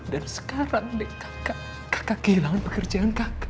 dan sekarang deh kakak kehilangan pekerjaan kakak